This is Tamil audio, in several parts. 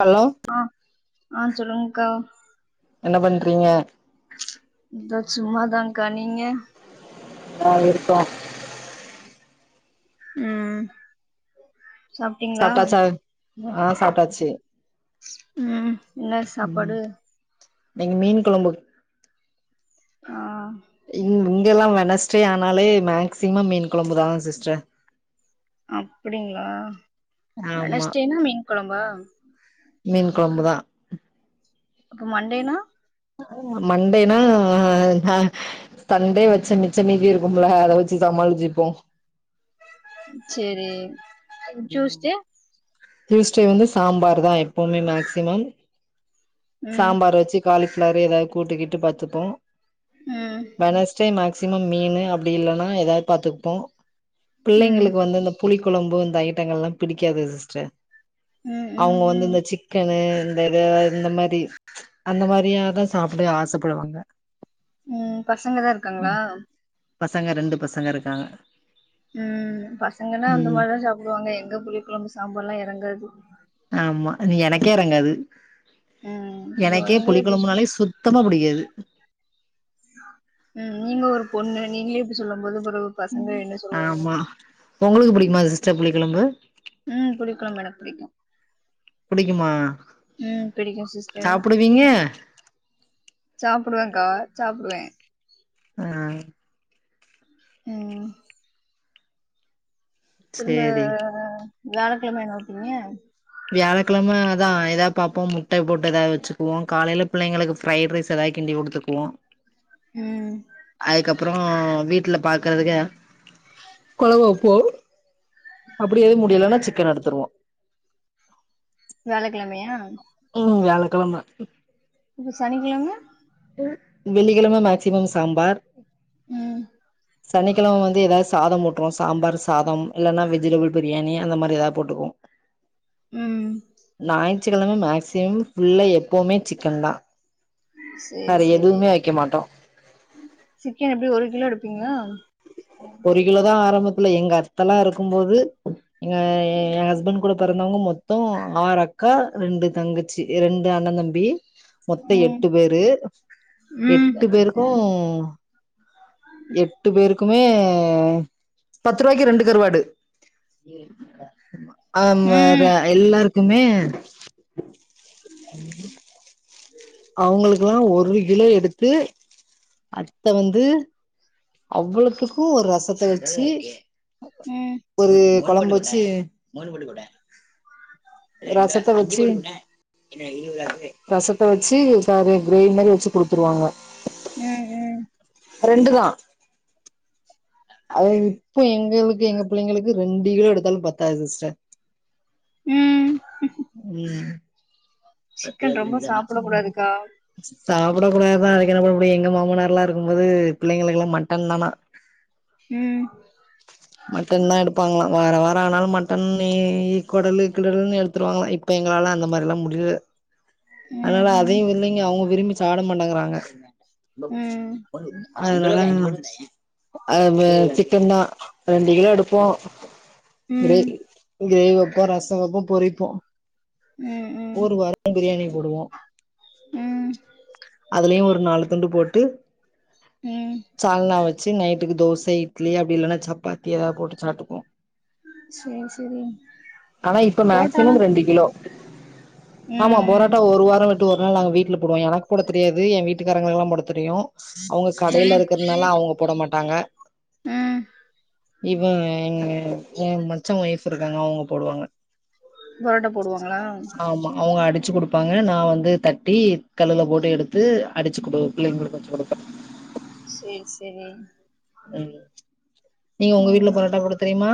ஹலோ ஆ ஆ சொல்லுங்கா என்ன பண்றீங்க இந்த சும்மாதான்க்கா நீங்க இந்தா இருக்கோ ம் சாப்டீங்ளா சாப்ட்டாச்சா ஆ சாப்ட்டாச்சு ம் ம் இன்னைக்கு மீன் கொழம்பு ஆ இங் இங்கெல்லா வெனஸ்டே ஆனாலே மேக்சிமம் மீன் கொழம்புதா சிஸ்டர் அப்டிங்ளா ஆமா வெனஸ்டேனா மீன் கொழம்பா மீன் கொழம்பு தா அப்ப மண்டேனா மண்டேனா சண்டே வச்ச மிச்ச மீதி இருக்கும்ல அத வச்சு சமாளிச்சுப்போ செரி [inaudible] டியூஸ்டே வந்து சாம்பார் தா எப்பவுமே மேக்சிமம் ம் சாம்பார் வச்சு காலிஃப்ளாரு ஏதாவது கூட்டுக்கிட்டு பாத்துப்போ ம் வெனஸ் டே மேக்சிமம் மீன் அப்படி இல்லன்னா ஏதாவது பார்த்துப்போ ம் பிள்ளைங்களுக்கு வந்து இந்த புளி கொழம்பு இந்த ஐட்டங்கள்லா புடிக்காது சிஸ்டர் ம் ம் அவுங்கோ வந்து ம் இந்த சிக்கனு வேற இந்த மாரி அந்த மாரியாதா சாப்பட ஆசப்படுவாங்க ம் பசங்க தா இருக்காங்ளா பசங்க ரெண்டு பசங்க இருக்காங்க ம் பசங்கன்னா அந்த ம் மாரிதா சாப்டுவாங்க எங்க புளி கொழம்பு சாம்பார்லா இறங்காது ஆமா அது எனக்கே இறங்காது ம் இதோ எனக்கே நீங்களே இப்டி புளிக்கொழம்புனாலே சுத்தமா புடிக்காது ம் நீங்க ஒரு பொண்ணு நீங்ளே இப்டி சொல்லும் போது பசங்க என்ன சொல்லுவாங்க ஆமா உங்களுக்கு புடிக்குமா சிஸ்டர் புளிக்கொழம்பு ம் புளிக்கொழம்பு எனக்கு புடிக்கு புடிக்குமா ம் பிடிக்கு சிஸ்டர் சாப்புடுவீங்க பிடிக்கு சாப்டுவன்க்கா சாப்டுவ ஆ ம் திரும்ப சேரி வியாழக்கிழம என்ன வைப்பிங்க வியாழக்கிழம அதா ஏதோ பாப்போ முட்ட போட்டு ஏதாவது வச்சுக்குவோ காலையில பிள்ளைங்களுக்கு ஃபிரைட் ரைஸ் ஏதாது கிண்டி குடுத்துக்குவோ ம் அதுக்கப் புறோ வீட்ல பாக்குறதுக்கு கொழம்பு வப்போ அப்படி எது ம் முடியலன்னா சிக்கன் எடுத்துருவோ வியாழக்கிழமையா ம் வியாழக்கிழம அப்ப சனிக்கிழம வெள்ளிக்கிழம மேக்சிமம் சாம்பார் ம் சனிக்கிழம வந்து ஏதாச் சாதம் மூட்டுவோ சாம்பார் சாதம் இல்லன்னா வெஜ்டபிள் பிரியாணி அந்த மாரி ஏதாவது போட்ருவோ ம் ஞாயிற்றுக்கிழம மேக்சிமம் ஃபுல்லா எப்பவுமே சிக்கன்தா செரி செரி மாட்டோ சிக்கன் எப்டி ஒரு கிலோ எடுப்பீங்ளா ஒரு கிலோதா ஆரம்பத்துல எங்க அத்தல்லா இருக்கு போது எங்க ஹஸ்பண்ட் கூட பொறந்தவங்க மொத்த ஆறு அக்கா ரெண்டு தங்க சி இரண்டு அண்ண தம்பி மொத்த ம் எட்டு பேரு ம் எட்டு பேருக்கு ம் எட்டு பேருக்குமே பத்துரூபாய்க்கு ரெண்டு கருவாடு இருக்குல ஆமா ஆமா ம் வேற எல்லாருக்குமே சுபை அவங்களுகெல்லா ஒரு கிலோ எடுத்து அத்த வந்து அவ்வளத்துக்கு ஒரு ரசத்த வச்சு ம் ஒரு கொழம்பு வச்சு ரசத்த வச்சு ரசத்த வச்சு கறி கிரேவி மாரி வச்சு குடுத்துருவாங்க ம் ம் ஃப்ரெண்டு தா அது இப்போ எங்களுக்கு எங்க பிள்ளைங்களுக்கு ரெண்டு கிலோ எடுத்தாலு பத்தாது சிஸ்டர். ம் ம் சிக்கன் ரொம்ப சாப்புட ம் கூடாதுக்கா சாப்டக் கூடாதுதா அதுக்கு என்ன பண்ண முடியு எங்க மாமனார்ல்லா இருக்குபோது பிள்ளைங்களுக்குல்லா மட்டன் தானா ம் மட்டன் தான் எடுப்பாங்களா வார வார ஆனாலு மட்டன்னி குடல் கிடல்ன்னு எடுத்துருவாங்களா! இப்ப எங்களால அந்த மாரிலா முடில ம் அதனால ம் அதையு இல்லைங்க அவங்க விரும்பி சாப்ட மாட்டேங்கறாங்க. ம் அதுனால என்ன பண்ண அது மாஜிக் சிக்கன்னா ரெண்டு கிலோ எடுப்போ கிரேவி ம் கிரேவி வப்போ ரச வப்போ பொறிப்போ ம் ம் ஒரு வார பிரியாணி போடுவோ ம் அதுலயு ஒரு நாலு துண்டு போட்டு ம் சால்னா வச்சு நைட் டுக்கு தோச இட்லி அப்டி இல்லனா சப்பாத்தி எதாவது போட்டு சாப்ட்டுபோ சேரி சேரி ஆனா இப்ப புரோட்டாலா மேக்சிமம் ரெண்டு கிலோ ஆமா ம் ம் பொரோட்டா ஒரு வாரம் விட்டு ஒரு நாள் நாங்க வீட்ல போடுவோ. எனக்கு போட தெரியாது என் வீட்டுக்காரங்களுக்குதா போட தெரியு அவங்க கடைல இருக்கிறதுனால அவங்க போட மாட்டாங்க. ம் இவன் எங்க என் மச்சன் ஒய்ஃப் இருக்காங்கல அவங்க போடுவாங்க. பரோட்டா போடுவாங்களா ஆமா அவங்க அடிச்சு குடுப்பாங்க நா வந்து தட்டி கல்லில போட்டு எடுத்து அடிச்சு குடு பிள்ளைங்களுக்கு கொண்டு குடுப்ப செரி செரி ம் நீங்க உங்க வீட்ல பரோட்டா போட தெரியுமா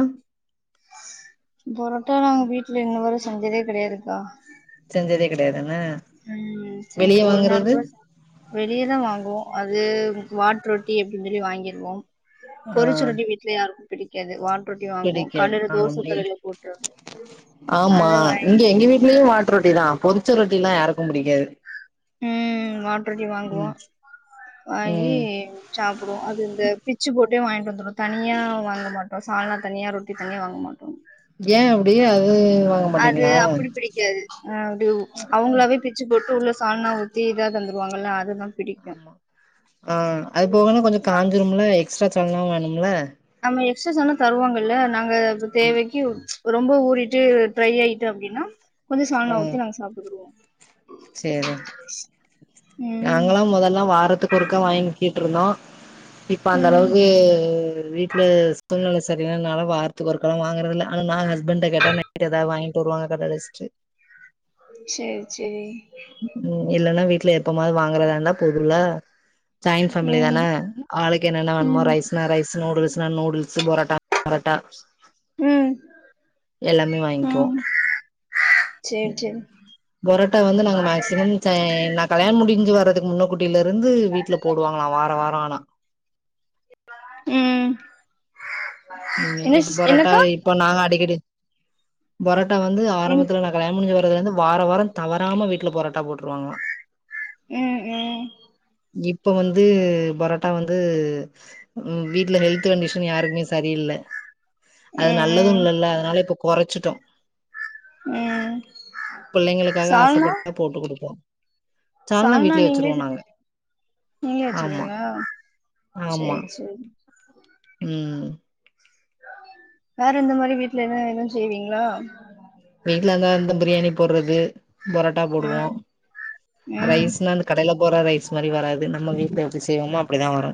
பொரோட்டா நாங்க வீட்ல இன்ன வரும் செஞ்சதே கெடையாதுக்கா செஞ்சதே கெடையாதுன்ன ம் செஞ் ஒரு நாள் கூட செஞ்ச வெளியதா வாங்குவோ அது வாட் ரொட்டி அப்டின் சொல்லி வாங்கிருவோ ஆ பொரிச்சு ரொட்டி எல்லாருக்கு பிடிக்காது வாட் ரொட்டி வாங்குவோ. பிடிக்காது கல்ல தோசை ஆமை கல்ல போட்டுறது ஆமா இங்க எங்க வீட்லயு வாட்டு ரொட்டி தா பொரிச்ச ரொட்டிலா யாருக்கு பிடிக்காது ம் மாட்டு ரொட்டி வாங்குவோ ம் வாங்கி ம் சாப்டுவோ அது இந்த பிச்சு போட்டே வாங்கிட்டு வந்துடுவோ தனியா வாங்க மாட் சால்னா தனியா ரொட்டி தனியா வாங்க மாட்டோ ஏ அப்டி அது அது மாட்டீங்களா அப்டிப்பிடி க்காது அது அவங்களாவே பிச்சு போட்டு உள்ள சால்னா ஊத்தி இதா தந்துருவாங்கல்ல அதுதா பிடி ஆமா ஆ அது போகனா கொஞ்ச காஞ்சீரும்ல எக்ஸ்ட்ரா சால்னா வேணும்ல ஆமா எக்ஸ்ட்ரா சால்னா தருவாங்கல்ல நாங்க ஆமா. தேவைக்கு ரொம்ப ஊறிட்டு ட்ரை ஆயிட்டு அப்டின்னா கொஞ்ச சால்னா ஊத்தி நாங்க சாப்டுகிருவோ சரி ம் நாங்களா மொதல்லா வாரத்துக் ஒறுக்கா வாங்கி கிட்டு இருந்தோ இப்ப அந்த ம் அளவுக்கு வீட்ல சூழ்நில சரியின்னனால வாரத்துக்கு ஒருக்கால வாங்கறது இல்ல ஆனா நா எ ஹஸ்பண்ட கேட்டா நைட் ஏதாவது வாங்கிட்டு வருவாங்க கட அடச்ட்டு செரி செரி ம் இல்லன்னா வீட்ல எப்பமாது வாங்குறதா இருந்தா பொதுல ஜாயிண்ட் ஃபேமிலி தான ம் ஆளுக்கு என்னென்ன வேணுமோ ம் ரைஸ்னா ரைஸ் நூடுல்ஸ்னா நூடுல்ஸ் பொரட்டா பொரட்டா ம் யெல்லாமே வாங்கிக்குவோ சேர் செரி பொரோட்டா வந்து நாங்க மேக்சிமம் ச்ச நா கலியாண முடிஞ்சி வர்றதுக்கு முன்னகூட் டில இருந்து வீட்ல போடுவாங்களா வார வார ஆனா ம் ம் இப்ப என்னசிஸ் பொரோட்டா என்னக்கா நாங்க அடிக்கடி பரோட்டா வந்து ம் ஆரம்பத்துல நா கல்யாண முடிஞ்சு வரதுலருந்து வார வார தவறாம வீட்ல பொராட்டா போட்ருவாங்களா ம் ம் இப்ப வந்து பரோட்டா வந்து ம் வீட்ல ஹெல்த்கண்டிஷன் யாருக்குமே சரியில்ல அது நல்லது ம் ம் இல்லல அதனால இப்ப கொறச்சிட்டோ ம் பிள்ளைங்களுக்காக சால்னா ஆசைபட்டா போட்டு குடுப்போ சால்னா வீட்லயே வச்சுருவோ நீங்களே நாங்க செஞ்சு நீங்களே ஆமா வச்சிருவீங்களா ஆமா சேரி சேரி ம் வேற எந்த மாரி வீட்ல என்னயேது செய்வீங்ளா வீட்லருந்தா யிந்த பிரியாணி போட்றது பரோட்டா போடுவோ ம் ம் ரைஸ்னா அந்த கடையில போட்ற ரைஸ்மாரி வராது நம்ம வீட்ல எப்டி செய்வோமோ அப்டிதா வரு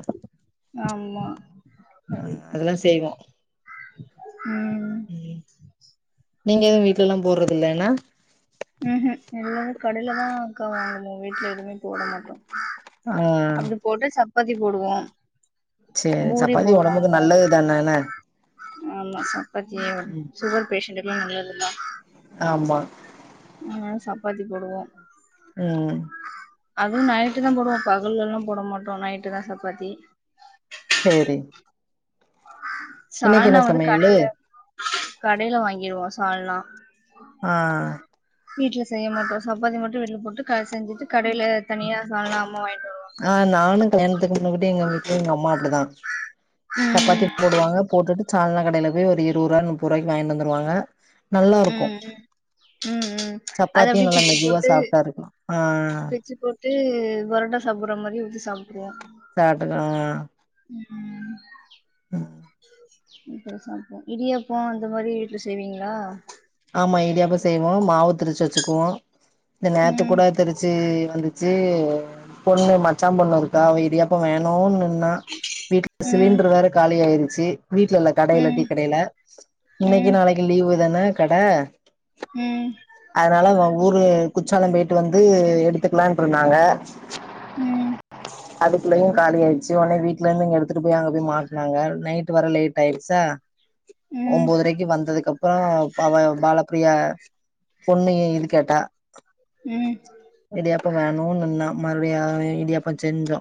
ஆம் ஆ அதெல்லா செய்வோ ம் நீங்க எதுவு வீட்லல்லா போட்றதில்ல என்ன ம்ஹூ எல்லாமே கடைல தா அக்கா வாங்கணு வீட்ல எதுவுமே போட மாட்டோ ஆ போட்டா சப்பாத்தி போடுவோ சேரி பூரி சப்பாத்தி ஒடம்புக்கு போடுவாங்க நல்லது தான என்ன ஆமா சப்பாத்தி ம் சுகர் ஃபேஷண்ட்டுகெல்லா நல்லதுல்ல ஆமா அதனால சப்பாத்தி போடுவோ ம் அது நைட்டுதா போடுவோ பகலல்லா போட மாட்டோ நைட்டு தா சப்பாத்தி சேரி இன்னைக்கு சால்னா என்ன வந்து சமையலு கடைல கடைல வாங்கிருவோ சால்னா ஆ வீட்ல செய்ய மாட்டோ சப்பாத்தி மட்டு வீட்ல போட்டு கா செஞ்சுட்டு கடையில தனியா சால்னா அம்மா வாங்கிட்டு வரு ஆ நானு கல்யாணத்துக்கு முன்னுகூட்டி எங்க வீட்ல எங்க அம்மா அப்டிதா சப்பாத்தி ம் போடுவாங்க போட்டுட்டு சால்னா கடையில போய் ஒரு இருவரூவா முப்பரூவாய்கு வாங்கிட்டு வந்துருவாங்க நல்லாருக்கு ம் ம் ம் அத சப்பாத்தியு அப்டியே நல்லா பிச்சு மெதுவா போட்டு சாப்டாருக்கலா ஆ பிச்சு போட்டு பொரோட்டா சாப்ட்ர மாரி ஊத்தி சாப்டுருவோ சாப்டனா ஆ ம் ம் வீட்ல சாப்டுப்போ இடியாப்போ அந்த மாரி வீட்ல செய்வீங்களா ஆமா இடியாப்போ செய்வோ மாவு திரிச்சு வச்சுக்குவோ இந்த நேத்து ம் கூட திரிச்சி வந்து ச்சி பொண்ணு மச்சா பொண்ணுருக்கா அவ இடியாப்போ வேணுன் ன்னா வீட்ல ம் சிலிண்டர்ரு வேற காலியாயிருச்சு வீட்லல்ல கடைல டீ ம் கடைல இன்னைக்கு ம் நாளைக்கு லீவு தான கட ம் அதனால ஓ ஊரு குச்சாலோ போய்ட்டு வந்து எடுத்துக்கலான்டுருந்தாங்க ம் அதுக்குள்ளயு காலியாயிச்சு ஒடனே வீட்லருந்து இங்க எடுத்துட்டுபோய் அங்க போய் மாட்னாங்க நைட் வர லேட்டாயிடுச்சா ம் ம் ஒம்போதரைக்கு வந்ததுக்கு அப்ரோ அவ பாலபிரியா பொண்ணுயே இதுக்கேட்டா ம் இடியாப்போ வேணு நின்னா மறுபடியு இடியாப்போ செஞ்சோ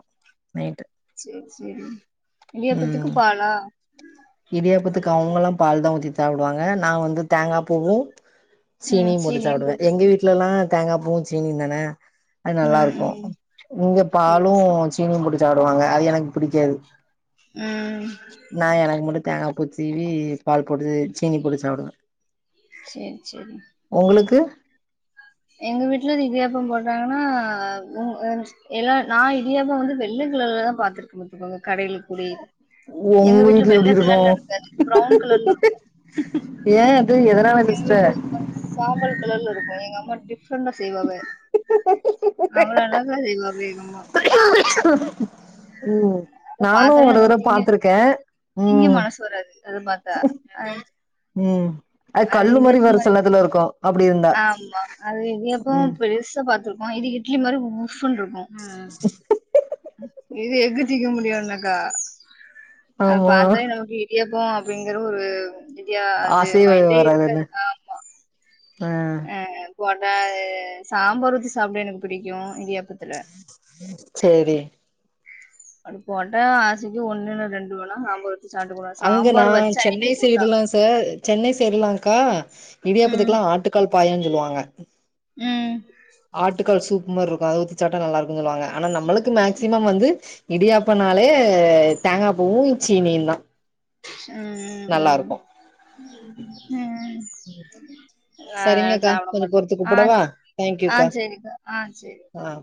நைட்டு சேரி சேரி இடியாப்பத்துக்கு ம் பாலா இடியாப்பத்துக்கு அவங்கலா பால் தா ஊத்தி தாப்டுவாங்க நா வந்து தேங்காப்பூவு சீனியு போட்டு சாப்டுவே எங்க வீட்லல்லா தேங்காபூவு சீனியு தான அது ம் நல்லாருக்கு ம் இங்க சேரி பாலு சேரி சீனியு போட்டு சாப்டுவாங்க அது எனக்கு புடிக்காது ம் நா எனக்கு மட்டு தேங்காப்பூ சீவி பால் போட்டு சீனி போட்டு சாப்டுவே சேரி சேரி ஒங்களுக்கு எங்க வீட்ல இடியாப்போ போட்டாங்கன்னா உங்க ஏன்னா நா இடியாப்போ வந்து வெள்ள கலர்லதா பாத்ருக்க பாத்துக்கோங்க கடைல புளி உங்க வீட்ல எப்டிருக்கு ப்ரவுன் கலர்ல இருக்கு ஏ டே எதனால எங்க எந்துருஸ்ட்ட வீட்ல ஒரு மாரி சாம்பல் கலர்லருக்கு எங்க அம்மா டிஃப்ரெண்டா செய்வாக [inaudible] எங்க அம்மா ம் அத நானு பாத்தாலே ஒரு தர நமக்கு திங்க பாத்துருக்கே திங்க மனசு வராது அத பத்தா ம் அது கள்ளு மாரி வேற சிலநேர்த்துலருக்கு ஆமா அது இடியாப்போ ம் பெருசா பாத்துருக்கோ இது இட்லி மாரி மூஃபுனு இருக்கு க் இது எஃக்கு திக்க முடியானாக்கா அ ஆமா பத்தா நமக்கு இடியாப்போ அப்டிங்கற ஒரு இடியா அது ஆசையே மயிண்டே வராதுல்ல இருக்காது ஆ ஆ ஆ போட்டா சாம்பார் ஊத்தி சாப்ட எனக்கு பிடிக்கு இடியாப்பத்துல சேரி அது போட்டா ஆசைக்கு ஒண்ணுல்ல ரெண்டு வேனா சாம்பார் வச்சு சாப்ட்டுவே சாம்பார் வச்ச அன்னைக்கு போட்டா இப்ப சென்னை சைட்லாக்கா ம் இடியாப்பத்துக்கெல்லா ஆட்டுக்கால் பாயான் சொல்லுவாங்க ம் ஆட்டுக்கால் சூப் மார்ருக்கு அத ஊத்தி சாப்ட்டா நல்லாருக்குன் சொல்லுவாங்க ஆனா நம்மளுக்கு மேக்சிமம் வந்து இடியாப்பனாலே தேங்காப்பூவு சீனியுந்தா ம் ம் நல்லாருக்கு ம் நா சரிங்கக்கா கொஞ்சோ பொறுத்து கூப்புடவா தேங்க்யூக்கா சாப்டமாட்டே ஆ